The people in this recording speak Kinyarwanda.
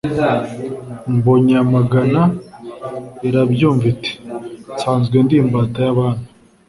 Mbonyamagana irabyumva Iti: nsanzwe ndi imbata y’Abami,